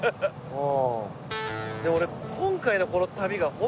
うん。